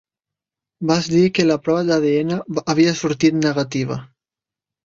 Vas dir que la prova d'ADN havia sortit negativa.